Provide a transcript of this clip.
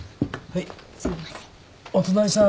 はい。